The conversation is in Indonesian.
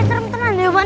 jangan jangan pegang